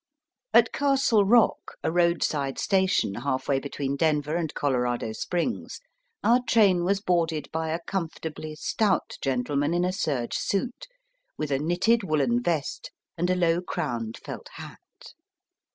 At Castle Kock, a roadside station half way between Denver and Colorado Springs, our train was boarded by a comfortably stout gentleman in a serge suit, with a knitted woollen vest and a low crowned felt hat.